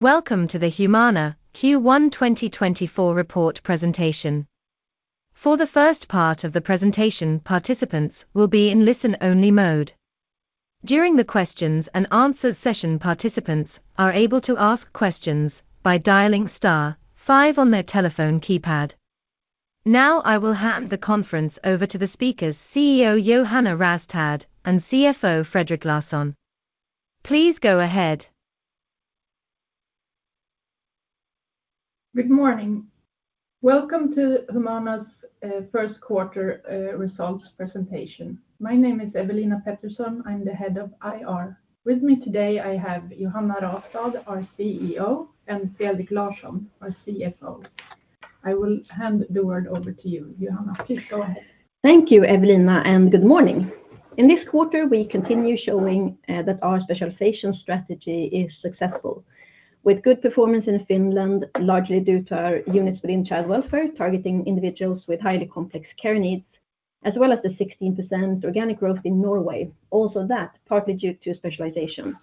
Welcome to the Humana Q1 2024 report presentation. For the first part of the presentation, participants will be in listen-only mode. During the questions and answers session, participants are able to ask questions by dialing *5 on their telephone keypad. Now I will hand the conference over to the speakers, CEO Johanna Rastad and CFO Fredrik Larsson. Please go ahead. Good morning. Welcome to Humana's first quarter results presentation. My name is Ewelina Pettersson, I'm the head of IR. With me today I have Johanna Rastad, our CEO, and Fredrik Larsson, our CFO. I will hand the word over to you, Johanna, please go ahead. Thank you, Ewelina, and good morning. In this quarter, we continue showing that our specialization strategy is successful, with good performance in Finland, largely due to our units within child welfare targeting individuals with highly complex care needs, as well as the 16% organic growth in Norway, also that partly due to specialization.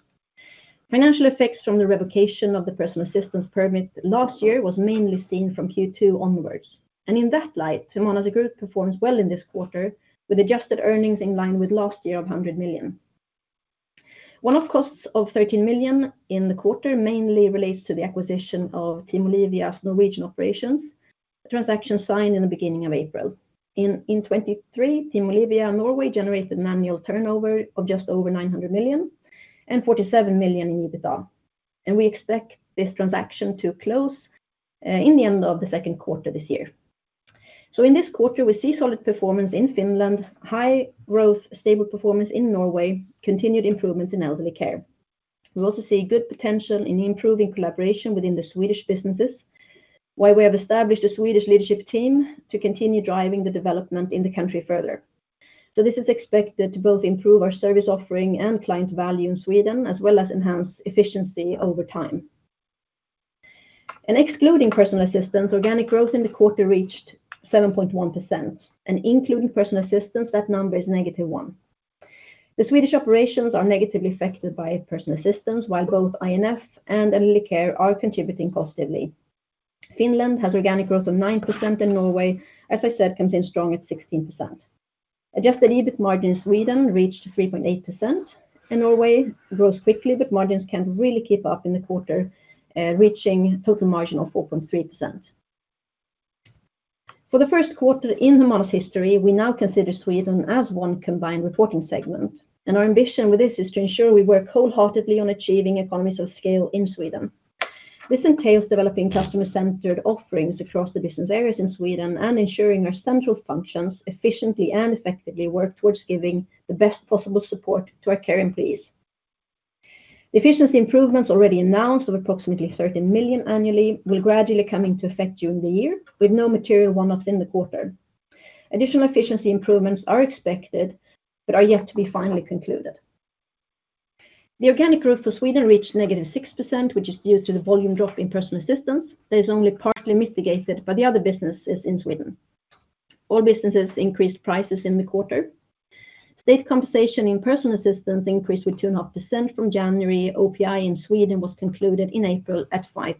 Financial effects from the revocation of the personal assistance permit last year was mainly seen from Q2 onwards, and in that light, Humana's group performs well in this quarter, with adjusted earnings in line with last year of 100 million. One of the costs of 13 million in the quarter mainly relates to the acquisition of Team Olivia's Norwegian operations, a transaction signed in the beginning of April. In 2023, Team Olivia Norway generated an annual turnover of just over 900 million and 47 million in EBITDA, and we expect this transaction to close in the end of the second quarter this year. So in this quarter, we see solid performance in Finland, high growth, stable performance in Norway, continued improvements in Elderly Care. We also see good potential in improving collaboration within the Swedish businesses, why we have established a Swedish leadership team to continue driving the development in the country further. So this is expected to both improve our service offering and client value in Sweden, as well as enhance efficiency over time. And excluding personal assistance, organic growth in the quarter reached 7.1%, and including personal assistance, that number is -1%. The Swedish operations are negatively affected by personal assistance, while both INF and Elderly Care are contributing positively. Finland has organic growth of 9%, and Norway, as I said, comes in strong at 16%. Adjusted EBIT margin in Sweden reached 3.8%, and Norway grows quickly, but margins can't really keep up in the quarter, reaching a total margin of 4.3%. For the first quarter in Humana's history, we now consider Sweden as one combined reporting segment, and our ambition with this is to ensure we work wholeheartedly on achieving economies of scale in Sweden. This entails developing customer-centered offerings across the business areas in Sweden and ensuring our central functions efficiently and effectively work towards giving the best possible support to our care employees. The efficiency improvements already announced of approximately 13 million annually will gradually come into effect during the year, with no material one-offs in the quarter. Additional efficiency improvements are expected but are yet to be finally concluded. The organic growth for Sweden reached -6%, which is due to the volume drop in personal assistance that is only partly mitigated by the other businesses in Sweden. All businesses increased prices in the quarter. State compensation in personal assistance increased with 2.5% from January. OPI in Sweden was concluded in April at 5%.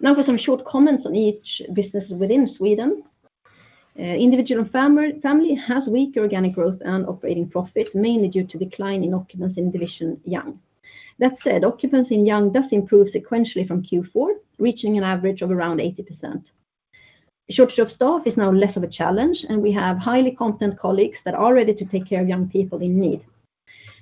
Now for some short comments on each business within Sweden. Individual & Family has weaker organic growth and operating profits, mainly due to a decline in occupants in division young. That said, occupants in young does improve sequentially from Q4, reaching an average of around 80%. A shortage of staff is now less of a challenge, and we have highly competent colleagues that are ready to take care of young people in need.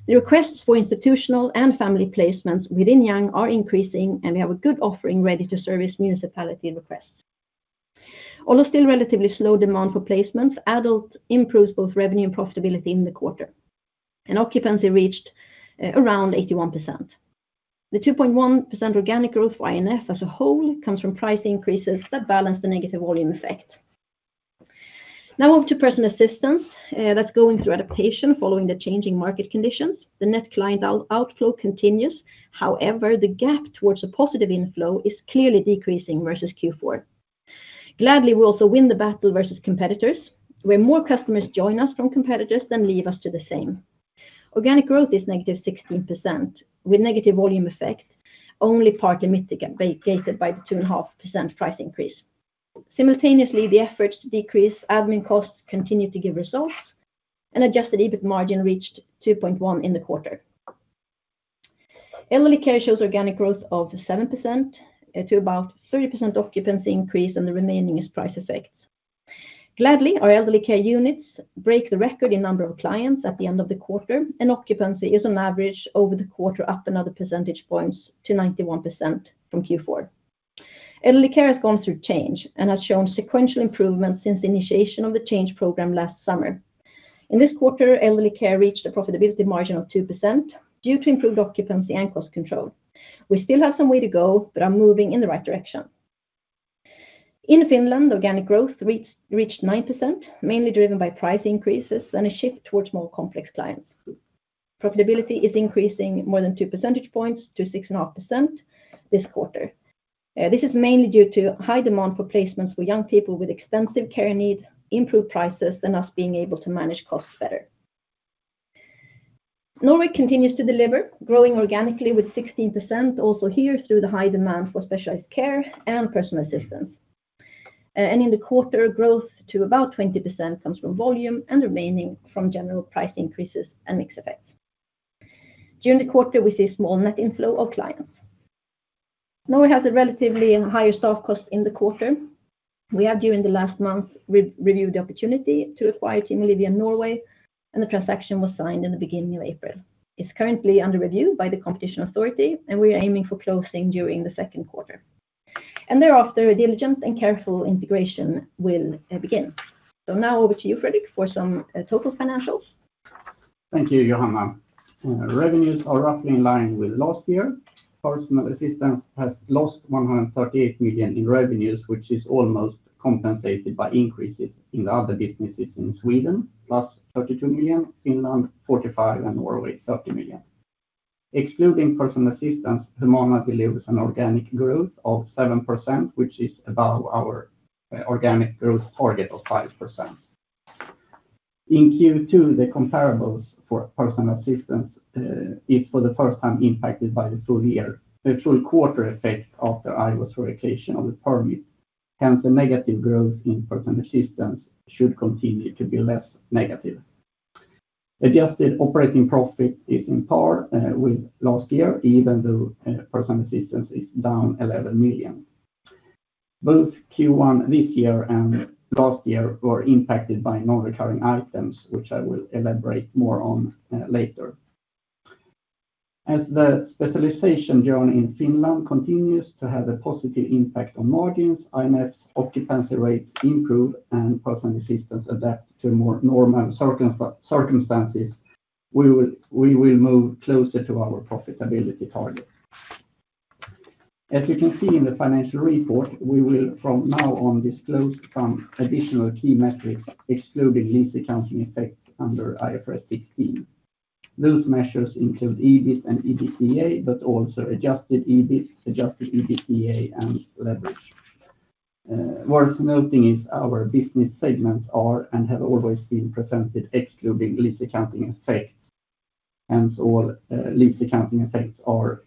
The requests for institutional and family placements within young are increasing, and we have a good offering ready to service municipality requests. Although still relatively slow demand for placements, adult improves both revenue and profitability in the quarter, and occupants have reached around 81%. The 2.1% organic growth for INF as a whole comes from price increases that balance the negative volume effect. Now over to personal assistance that's going through adaptation following the changing market conditions. The net client outflow continues. However, the gap towards a positive inflow is clearly decreasing versus Q4. Gladly, we also win the battle versus competitors, where more customers join us from competitors than leave us to the same. Organic growth is -16%, with a negative volume effect, only partly mitigated by the 2.5% price increase. Simultaneously, the efforts to decrease admin costs continue to give results, and adjusted EBIT margin reached 2.1% in the quarter. Elderly Care shows organic growth of 7% to about 30% occupancy increase, and the remaining is price effects. Gladly, our Elderly Care units break the record in number of clients at the end of the quarter, and occupancy is on average over the quarter up another percentage points to 91% from Q4. Elderly care has gone through change and has shown sequential improvements since the initiation of the change program last summer. In this quarter, Elderly Care reached a profitability margin of 2% due to improved occupancy and cost control. We still have some way to go, but are moving in the right direction. In Finland, organic growth reached 9%, mainly driven by price increases and a shift towards more complex clients. Profitability is increasing more than two percentage points to 6.5% this quarter. This is mainly due to high demand for placements for young people with extensive care needs, improved prices, and us being able to manage costs better. Norway continues to deliver, growing organically with 16% also here through the high demand for specialized care and personal assistance. In the quarter, growth to about 20% comes from volume and remaining from general price increases and mixed effects. During the quarter, we see a small net inflow of clients. Norway has a relatively higher staff cost in the quarter. We have, during the last month, reviewed the opportunity to acquire Team Olivia Norway, and the transaction was signed in the beginning of April. It's currently under review by the competition authority, and we are aiming for closing during the second quarter. Thereafter, a diligent and careful integration will begin. Now over to you, Fredrik, for some total financials. Thank you, Johanna. Revenues are roughly in line with last year. Personal assistance has lost 138 million in revenues, which is almost compensated by increases in the other businesses in Sweden, plus 32 million, Finland, 45 million, and Norway, 30 million. Excluding personal assistance, Humana delivers an organic growth of 7%, which is above our organic growth target of 5%. In Q2, the comparables for personal assistance is for the first time impacted by the full year true quarter effect after IVO's revocation of the permit. Hence, the negative growth in personal assistance should continue to be less negative. Adjusted operating profit is on par with last year, even though personal assistance is down 11 million. Both Q1 this year and last year were impacted by non-recurring items, which I will elaborate more on later. As the specialization journey in Finland continues to have a positive impact on margins, INF's occupancy rates improve, and personal assistance adapts to more normal circumstances, we will move closer to our profitability target. As you can see in the financial report, we will from now on disclose some additional key metrics, excluding lease accounting effects under IFRS 16. Those measures include EBIT and EBITA, but also adjusted EBIT, adjusted EBITA, and leverage. Worth noting is our business segments are and have always been presented excluding lease accounting effects. Hence, all lease accounting effects are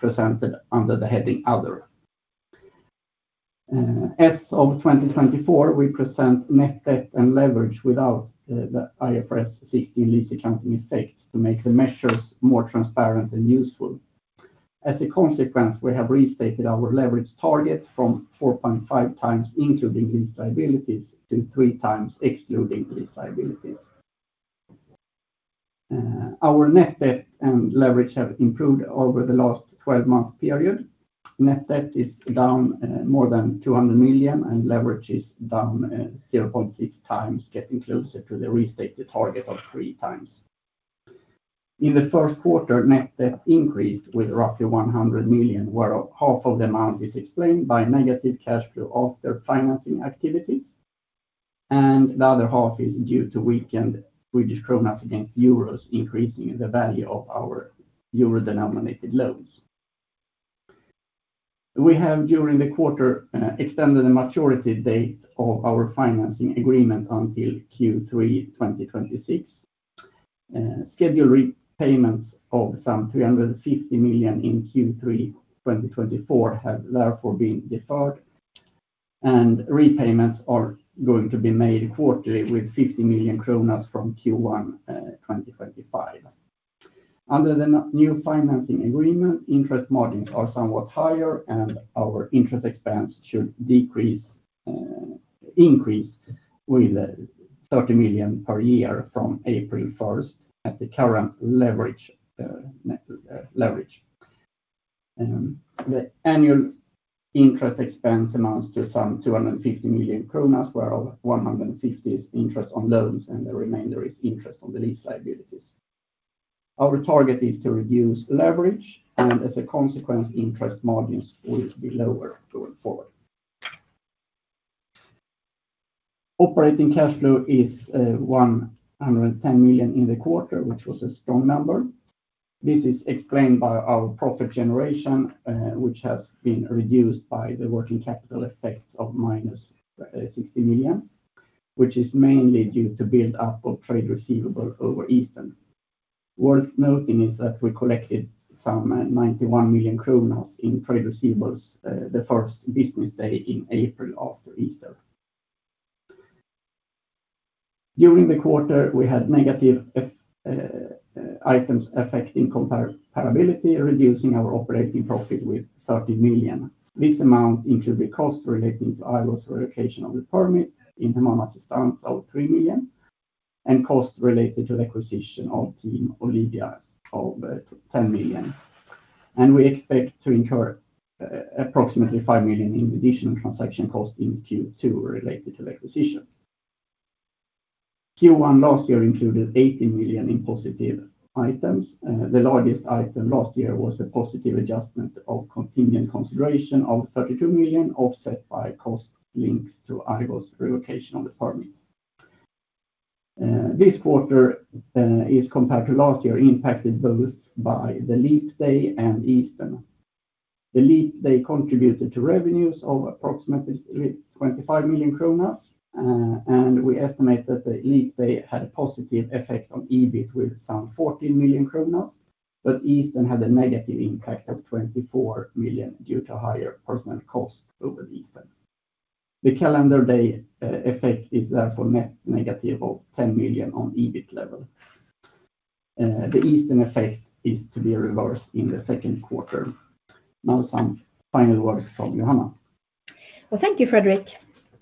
presented under the heading other. As of 2024, we present net debt and leverage without the IFRS 16 lease accounting effects to make the measures more transparent and useful. As a consequence, we have restated our leverage target from 4.5 times including lease liabilities to 3 times excluding lease liabilities. Our net debt and leverage have improved over the last 12-month period. Net debt is down more than 200 million, and leverage is down 0.6 times, getting closer to the restated target of three times. In the first quarter, net debt increased with roughly 100 million, where half of the amount is explained by negative cash flow after financing activities, and the other half is due to weakened Swedish kronor against euros, increasing the value of our euro-denominated loans. We have, during the quarter, extended the maturity date of our financing agreement until Q3 2026. Scheduled repayments of some 350 million in Q3 2024 have therefore been deferred, and repayments are going to be made quarterly with 50 million kronor from Q1 2025. Under the new financing agreement, interest margins are somewhat higher, and our interest expense should increase with 30 million per year from April 1st at the current leverage. The annual interest expense amounts to some 250 million kronor, where 150 million is interest on loans, and the remainder is interest on the lease liabilities. Our target is to reduce leverage, and as a consequence, interest margins will be lower going forward. Operating cash flow is 110 million in the quarter, which was a strong number. This is explained by our profit generation, which has been reduced by the working capital effects of -60 million, which is mainly due to build-up of trade receivable over Easter. Worth noting is that we collected some 91 million kronor in trade receivables the first business day in April after Easter. During the quarter, we had negative items affecting comparability, reducing our operating profit with 30 million. This amount includes costs relating to IVO revocation of the permit in Humana Assistans, over 3 million, and costs related to the acquisition of Team Olivia of 10 million. And we expect to incur approximately 5 million in additional transaction costs in Q2 related to the acquisition. Q1 last year included 18 million in positive items. The largest item last year was the positive adjustment of contingent consideration of 32 million, offset by costs linked to IVO revocation of the permit. This quarter is compared to last year impacted both by the leap day and Easter. The leap day contributed to revenues of approximately 25 million kronor, and we estimate that the leap day had a positive effect on EBIT with some 14 million kronor, but Easter had a negative impact of 24 million due to higher personnel cost over Easter. The calendar day effect is therefore net negative of 10 million on EBIT level. The Easter effect is to be reversed in the second quarter. Now some final words from Johanna. Well, thank you, Fredrik.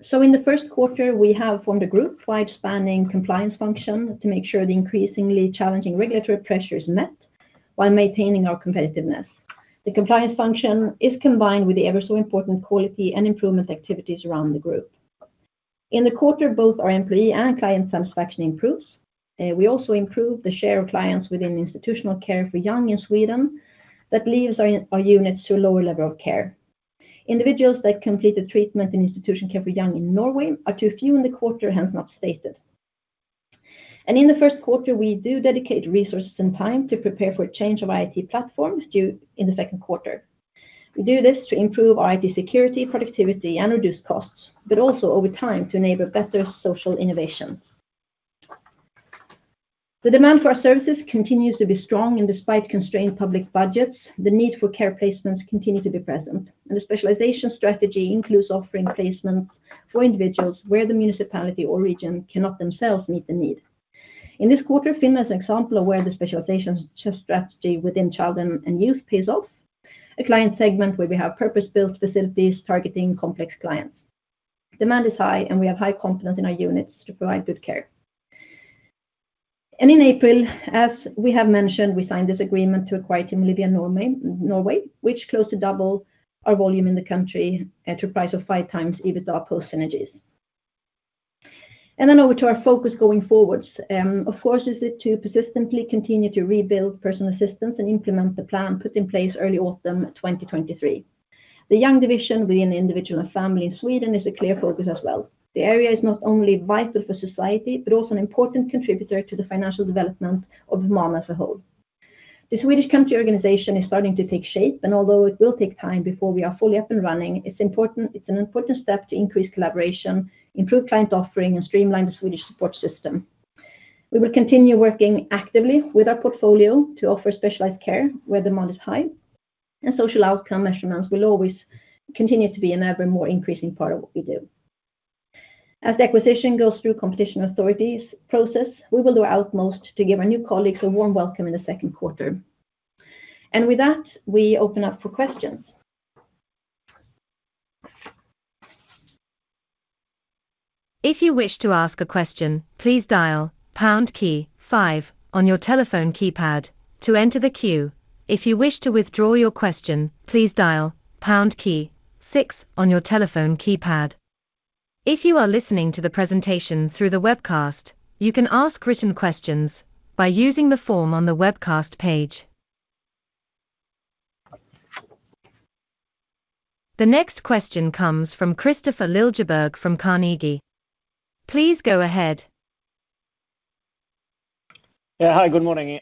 So in the first quarter, we have formed a group-wide spanning compliance function to make sure the increasingly challenging regulatory pressure is met while maintaining our competitiveness. The compliance function is combined with the ever-so-important quality and improvement activities around the group. In the quarter, both our employee and client satisfaction improves. We also improve the share of clients within institutional care for young in Sweden that leaves our units to a lower level of care. Individuals that completed treatment in institutional care for young in Norway are too few in the quarter, hence not stated. And in the first quarter, we do dedicate resources and time to prepare for a change of IT platforms due in the second quarter. We do this to improve our IT security, productivity, and reduce costs, but also over time to enable better social innovations. The demand for our services continues to be strong, and despite constrained public budgets, the need for care placements continues to be present. The specialization strategy includes offering placements for individuals where the municipality or region cannot themselves meet the need. In this quarter, Finland is an example of where the specialization strategy within child and youth pays off, a client segment where we have purpose-built facilities targeting complex clients. Demand is high, and we have high confidence in our units to provide good care. And in April, as we have mentioned, we signed this agreement to acquire Team Olivia Norway, which closely doubled our volume in the country to a price of 5x EBITDA post synergies. And then over to our focus going forwards. Of course, is it to persistently continue to rebuild personal assistance and implement the plan put in place early autumn 2023. The young division within individual and family in Sweden is a clear focus as well. The area is not only vital for society but also an important contributor to the financial development of Humana as a whole. The Swedish country organization is starting to take shape, and although it will take time before we are fully up and running, it's an important step to increase collaboration, improve client offering, and streamline the Swedish support system. We will continue working actively with our portfolio to offer specialized care where demand is high, and social outcome measurements will always continue to be an ever more increasing part of what we do. As the acquisition goes through competition authorities process, we will do our utmost to give our new colleagues a warm welcome in the second quarter. With that, we open up for questions. If you wish to ask a question, please dial pound key 5 on your telephone keypad to enter the queue. If you wish to withdraw your question, please dial pound key 6 on your telephone keypad. If you are listening to the presentation through the webcast, you can ask written questions by using the form on the webcast page. The next question comes from Kristofer Liljeberg from Carnegie. Please go ahead. Yeah, hi, good morning.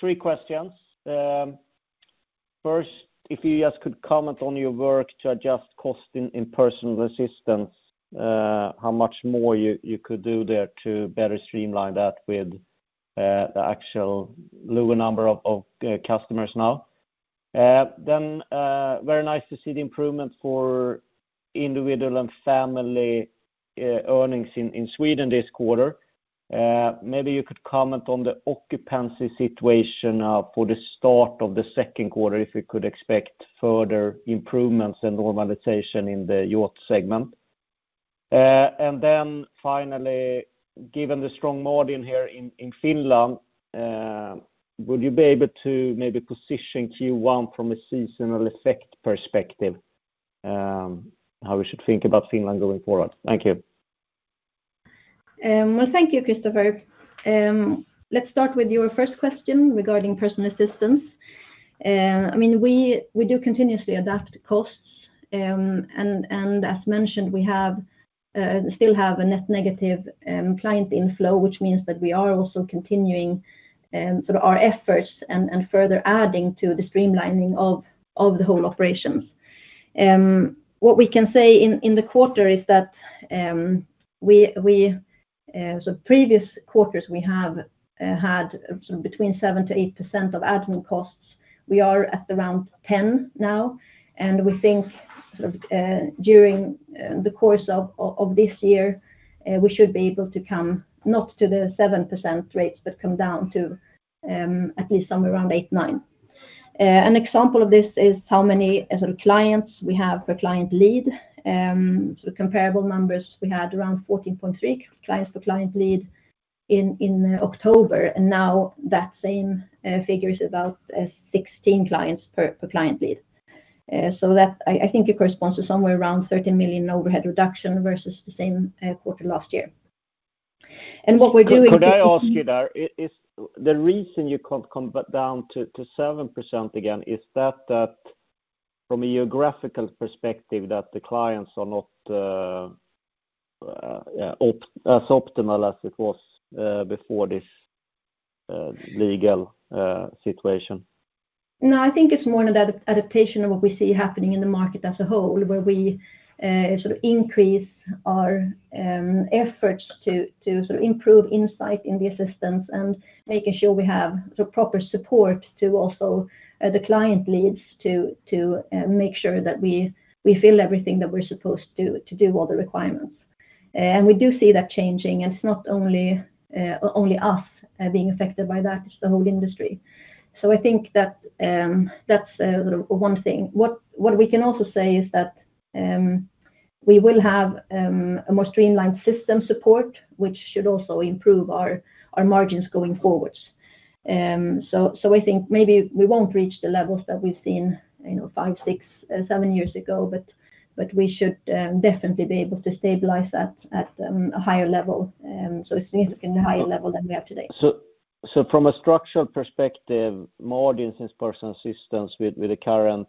Three questions. First, if you just could comment on your work to adjust cost in personal assistance, how much more you could do there to better streamline that with the actual lower number of customers now. Then, very nice to see the improvement for individual and family earnings in Sweden this quarter. Maybe you could comment on the occupancy situation for the start of the second quarter if we could expect further improvements and normalization in the LSS segment. And then finally, given the strong margin here in Finland, would you be able to maybe position Q1 from a seasonal effect perspective, how we should think about Finland going forward? Thank you. Well, thank you, Kristofer. Let's start with your first question regarding personal assistance. I mean, we do continuously adapt costs. And as mentioned, we still have a net negative client inflow, which means that we are also continuing our efforts and further adding to the streamlining of the whole operations. What we can say in the quarter is that previous quarters we have had between 7%-8% of admin costs. We are at around 10% now. And we think during the course of this year, we should be able to come not to the 7% rates, but come down to at least somewhere around 8%-9%. An example of this is how many clients we have per client lead. Comparable numbers, we had around 14.3 clients per client lead in October. And now that same figure is about 16 clients per client lead. So that, I think, corresponds to somewhere around $30 million overhead reduction versus the same quarter last year. What we're doing is. Could I ask you there? Is the reason you can't come down to 7% again is that from a geographical perspective, that the clients are not as optimal as it was before this legal situation? No, I think it's more an adaptation of what we see happening in the market as a whole, where we increase our efforts to improve insight in the assistance and making sure we have proper support to also the client leads to make sure that we fill everything that we're supposed to do, all the requirements. And we do see that changing. And it's not only us being affected by that. It's the whole industry. So I think that that's one thing. What we can also say is that we will have a more streamlined system support, which should also improve our margins going forward. So I think maybe we won't reach the levels that we've seen five, six, seven years ago, but we should definitely be able to stabilize that at a higher level. So it's significantly higher level than we have today. From a structural perspective, margins in personal assistance with the current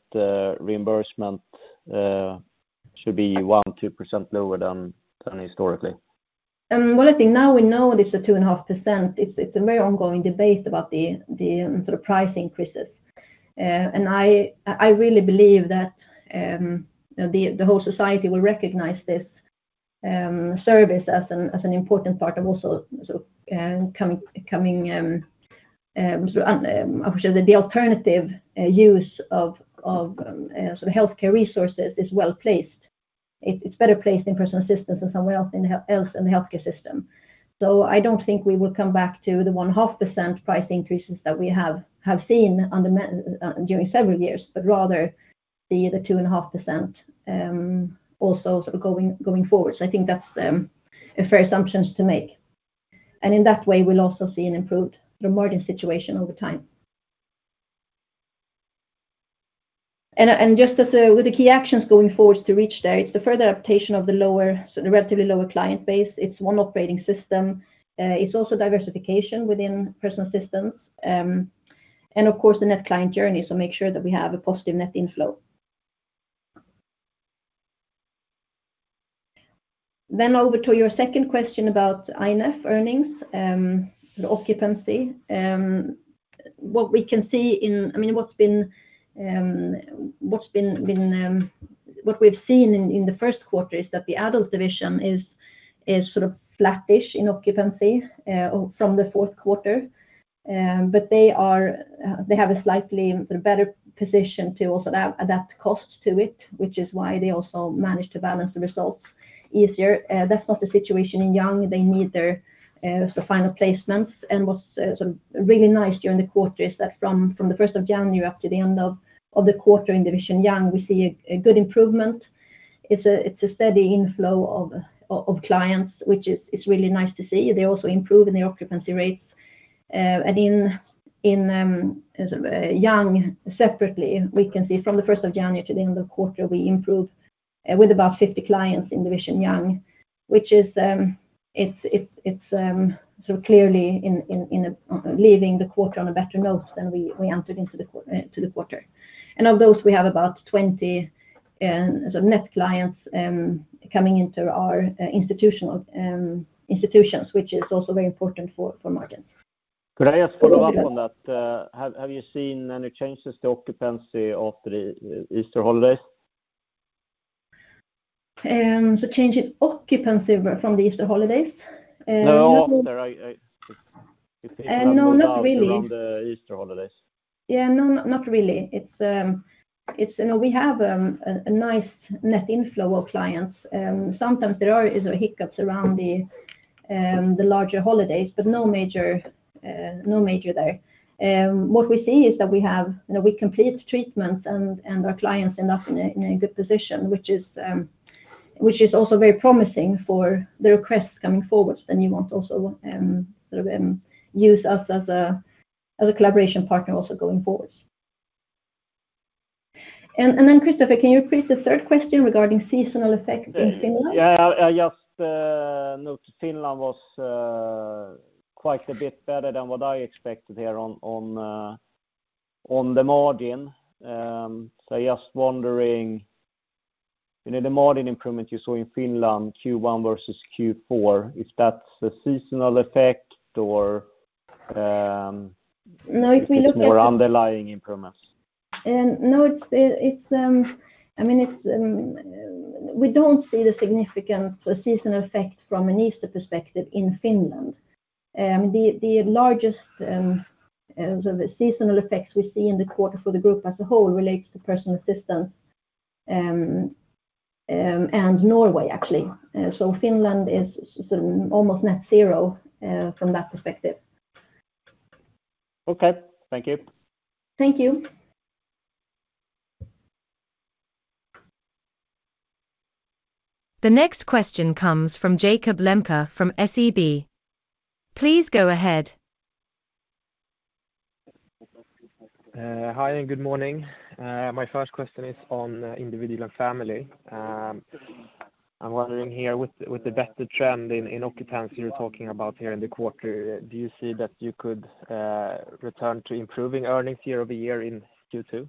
reimbursement should be 1%-2% lower than historically? Well, I think now we know this is 2.5%. It's a very ongoing debate about the price increases. And I really believe that the whole society will recognize this service as an important part of also coming, I should say, the alternative use of healthcare resources is well placed. It's better placed in personal assistance than somewhere else in the healthcare system. So I don't think we will come back to the 1.5% price increases that we have seen during several years, but rather the 2.5% also going forward. So I think that's a fair assumption to make. And in that way, we'll also see an improved margin situation over time. And just with the key actions going forwards to reach there, it's the further adaptation of the relatively lower client base. It's one operating system. It's also diversification within personal assistance. Of course, the net client journey. So make sure that we have a positive net inflow. Then over to your second question about INF earnings, occupancy. What we can see, I mean, what's been, what we've seen in the first quarter is that the adult division is sort of flattish in occupancy from the fourth quarter. But they have a slightly better position to also adapt costs to it, which is why they also manage to balance the results easier. That's not the situation in young. They need their final placements. And what's really nice during the quarter is that from the 1st of January up to the end of the quarter in division young, we see a good improvement. It's a steady inflow of clients, which is really nice to see. They also improve in their occupancy rates. In Young separately, we can see from the 1st of January to the end of quarter, we improve with about 50 clients in Young division, which is, it's clearly leaving the quarter on a better note than we entered into the quarter. Of those, we have about 20 net clients coming into our institutions, which is also very important for margins. Could I just follow up on that? Have you seen any changes to occupancy after the Easter holidays? Change in occupancy from the Easter holidays? No, after. No, not really. After the Easter holidays. Yeah, not really. No, we have a nice net inflow of clients. Sometimes there are hiccups around the larger holidays, but no major there. What we see is that we complete treatments and our clients end up in a good position, which is also very promising for the requests coming forwards that you want also to use us as a collaboration partner also going forwards. And then, Kristofer, can you repeat the third question regarding seasonal effect in Finland? Yeah, I just note Finland was quite a bit better than what I expected here on the margin. So I'm just wondering, you know, the margin improvement you saw in Finland Q1 versus Q4, is that the seasonal effect or? No, if we look at. It's more underlying improvements? No, I mean, we don't see the significant seasonal effect from an Easter perspective in Finland. I mean, the largest seasonal effects we see in the quarter for the group as a whole relates to personal assistance and Norway, actually. So Finland is almost net zero from that perspective. Okay. Thank you. Thank you. The next question comes from Jakob Lembke from SEB. Please go ahead. Hi, and good morning. My first question is on individual and family. I'm wondering here, with the better trend in occupancy you're talking about here in the quarter, do you see that you could return to improving earnings year-over-year in Q2?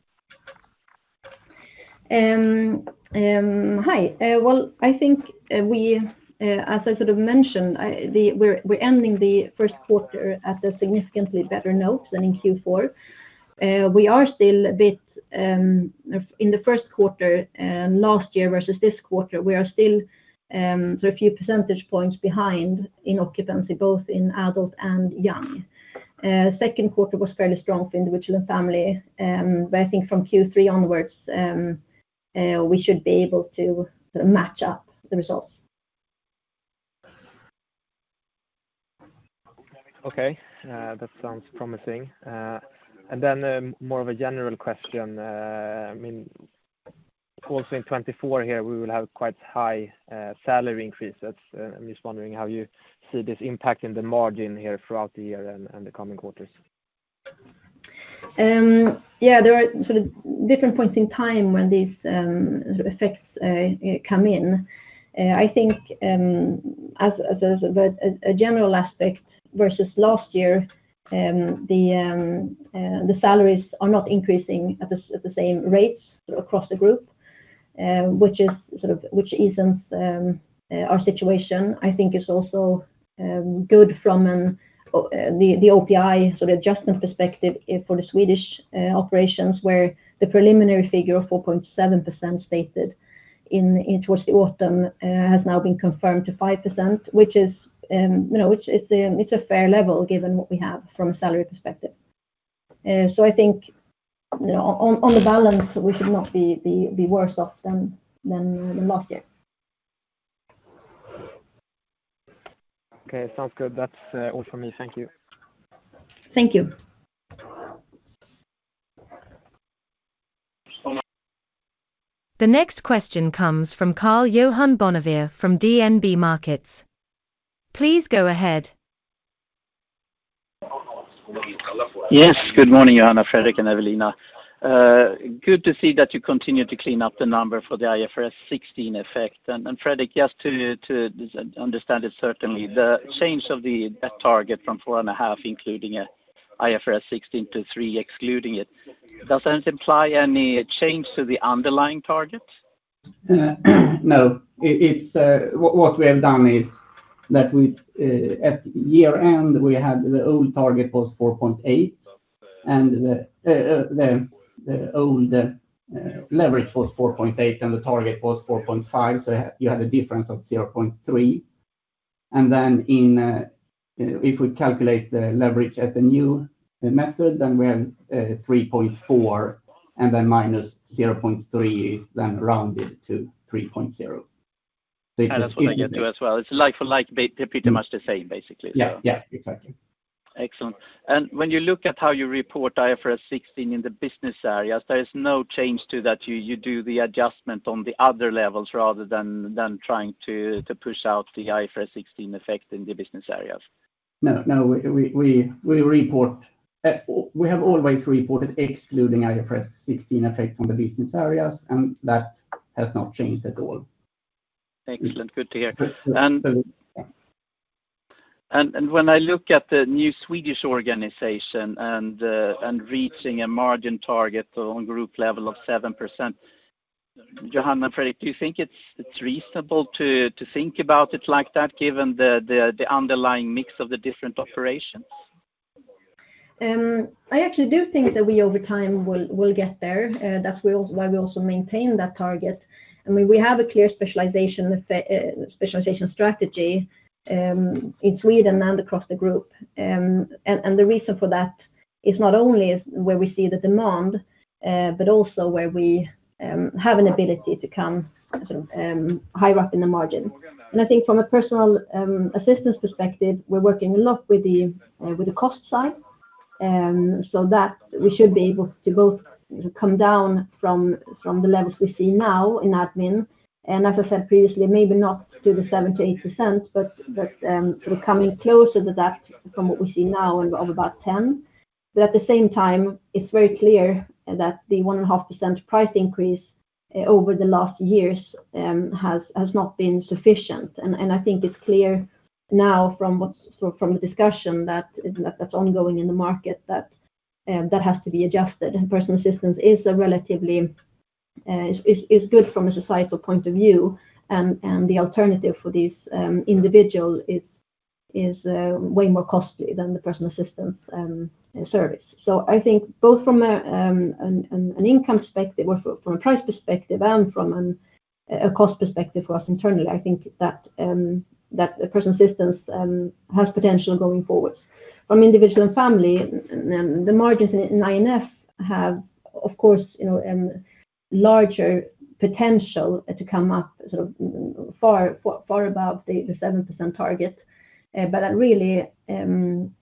Hi. Well, I think we, as I sort of mentioned, we're ending the first quarter at a significantly better note than in Q4. We are still a bit in the first quarter last year versus this quarter, we are still a few percentage points behind in occupancy, both in adult and young. Second quarter was fairly strong for individual and family, but I think from Q3 onwards, we should be able to match up the results. Okay. That sounds promising. And then more of a general question. I mean, also in 2024 here, we will have quite high salary increases. I'm just wondering how you see this impact in the margin here throughout the year and the coming quarters. Yeah, there are different points in time when these effects come in. I think as a general aspect versus last year, the salaries are not increasing at the same rates across the group, which eases our situation. I think it's also good from the OPI, so the adjustment perspective for the Swedish operations, where the preliminary figure of 4.7% stated toward the autumn has now been confirmed to 5%, which is a fair level given what we have from a salary perspective. So I think on the balance, we should not be worse off than last year. Okay. Sounds good. That's all from me. Thank you. Thank you. The next question comes from Karl-Johan Bonnevier from DNB Markets. Please go ahead. Yes. Good morning, Johanna, Fredrik, and Ewelina. Good to see that you continue to clean up the number for the IFRS 16 effect. Fredrik, just to understand it certainly, the change of the net target from 4.5 including IFRS 16 to three excluding it, does that imply any change to the underlying target? No. What we have done is that at year-end, the old target was 4.8. The old leverage was 4.8, and the target was 4.5. So you had a difference of 0.3. Then if we calculate the leverage at the new method, we have 3.4, and then minus 0.3 is then rounded to 3.0. So it's just. That's what I get to as well. It's like for like, pretty much the same, basically, so. Yeah. Yeah. Exactly. Excellent. And when you look at how you report IFRS 16 in the business areas, there is no change to that? You do the adjustment on the other levels rather than trying to push out the IFRS 16 effect in the business areas? No. No. We have always reported excluding IFRS 16 effect on the business areas, and that has not changed at all. Excellent. Good to hear. When I look at the new Swedish organization and reaching a margin target on group level of 7%, Johanna and Fredrik, do you think it's reasonable to think about it like that given the underlying mix of the different operations? I actually do think that we over time will get there. That's why we also maintain that target. I mean, we have a clear specialization strategy in Sweden and across the group. And the reason for that is not only where we see the demand, but also where we have an ability to come higher up in the margin. And I think from a personal assistance perspective, we're working a lot with the cost side. So we should be able to both come down from the levels we see now in admin. And as I said previously, maybe not to the 7%-8%, but sort of coming closer to that from what we see now of about 10%. But at the same time, it's very clear that the 1.5% price increase over the last years has not been sufficient. I think it's clear now from the discussion that's ongoing in the market that that has to be adjusted. Personal assistance is good from a societal point of view, and the alternative for these individuals is way more costly than the personal assistance service. So I think both from an income perspective or from a price perspective and from a cost perspective for us internally, I think that personal assistance has potential going forwards. From individual and family, the margins in INF have, of course, a larger potential to come up far above the 7% target. But that really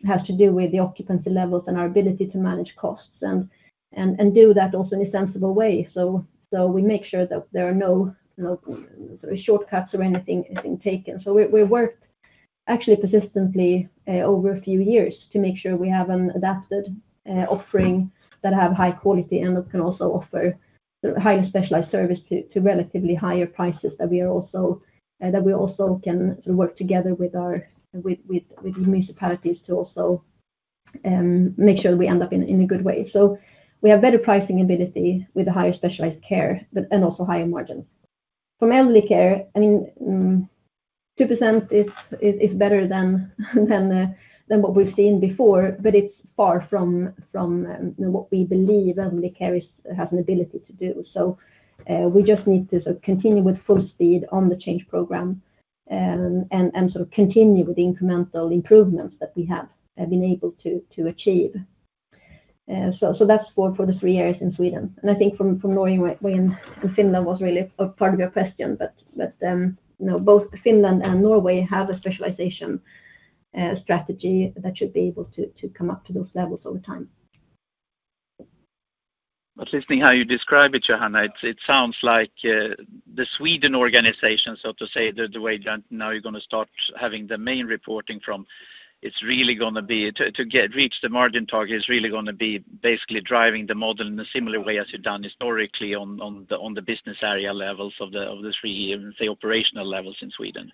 has to do with the occupancy levels and our ability to manage costs and do that also in a sensible way. So we make sure that there are no shortcuts or anything taken. So we've worked actually persistently over a few years to make sure we have an adapted offering that have high quality and can also offer highly specialized service to relatively higher prices that we also can work together with the municipalities to also make sure that we end up in a good way. So we have better pricing ability with a higher specialized care and also higher margins. From Elderly Care, I mean, 2% is better than what we've seen before, but it's far from what we believe Elderly Care has an ability to do. So we just need to continue with full speed on the change program and sort of continue with the incremental improvements that we have been able to achieve. So that's for the three areas in Sweden. I think from Norway and Finland was really part of your question, but both Finland and Norway have a specialization strategy that should be able to come up to those levels over time. I'm just listening how you describe it, Johanna. It sounds like the Sweden organization, so to say, the way now you're going to start having the main reporting from, it's really going to be to reach the margin target is really going to be basically driving the model in a similar way as you've done historically on the business area levels of the three, say, operational levels in Sweden.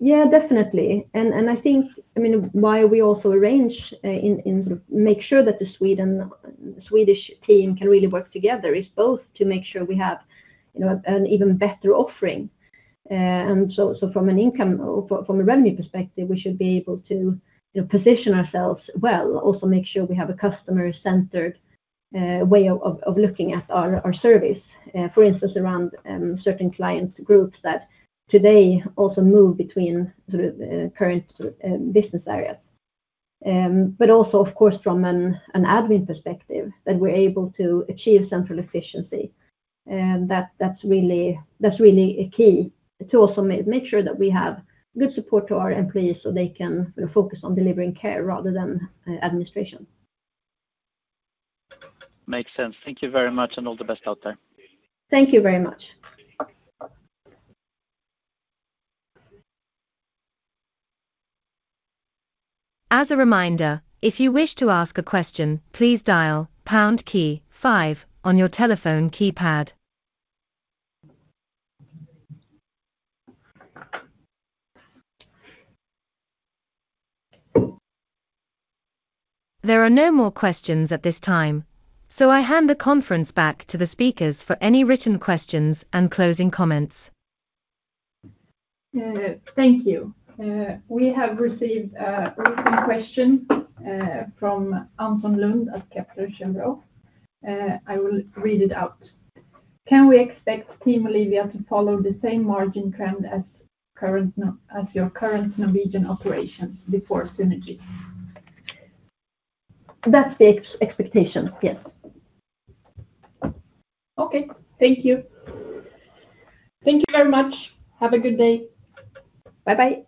Yeah, definitely. And I think, I mean, why we also arrange and sort of make sure that the Swedish team can really work together is both to make sure we have an even better offering. And so from a revenue perspective, we should be able to position ourselves well, also make sure we have a customer-centered way of looking at our service, for instance, around certain client groups that today also move between sort of current business areas. But also, of course, from an admin perspective, that we're able to achieve central efficiency. That's really a key to also make sure that we have good support to our employees so they can focus on delivering care rather than administration. Makes sense. Thank you very much, and all the best out there. Thank you very much. As a reminder, if you wish to ask a question, please dial pound key 5 on your telephone keypad. There are no more questions at this time, so I hand the conference back to the speakers for any written questions and closing comments. Thank you. We have received a written question from Anton Lund at Kepler Cheuvreux. I will read it out. Can we expect Team Olivia to follow the same margin trend as your current Norwegian operations before Synergy? That's the expectation. Yes. Okay. Thank you. Thank you very much. Have a good day. Bye-bye.